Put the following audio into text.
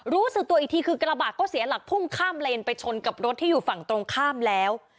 รู้สึกตัวอีกทีคือกระบะก็เสียหลักพุ่งข้ามเลนไปชนกับรถที่อยู่ฝั่งตรงข้ามแล้ว